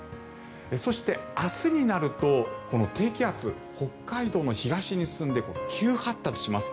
そして、明日になるとこの低気圧、北海道の東に進んで急発達します。